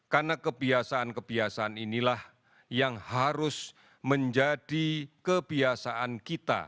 karena kebiasaan kebiasaan inilah yang harus menjadi kebiasaan kita